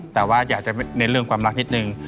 แต่ว่าอยากจะเน้นเรื่องความรักนิดนึง